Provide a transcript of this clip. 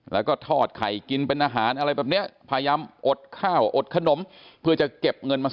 แล้วก็ทอดไข่กินเป็นอาหารอะไรแบบเนี้ยพยายามอดข้าวอดขนมเพื่อจะเก็บเงินมา